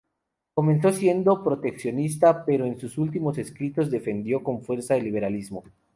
Comenzó siendo proteccionista, pero en sus últimos escritos defendió con fuerza el liberalismo.